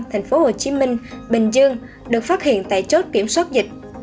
thành phố hồ chí minh bình dương được phát hiện tại chốt kiểm soát dịch